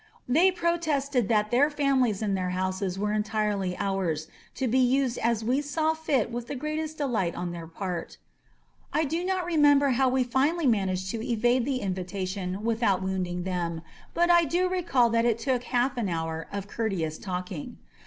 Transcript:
They protested that their families and their houses were entirely ours, to be used as we saw fit with the greatest delight on their part. I do not remember how we finally managed to evade the invitation without wounding them, but I do recall that it took half an hour of courteous talking.